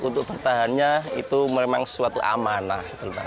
untuk bertahannya itu memang suatu amanah